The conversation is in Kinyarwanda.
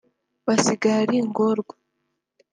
basigara ari ingorwa